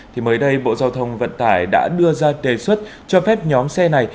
thì mới đây bộ giao thông vận tải đã đưa ra đề xuất cho phép nhóm xe này